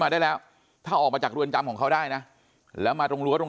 ได้แล้วถ้าออกมาจากเรือนจำของเขาได้นะแล้วมาตรงรั้วตรง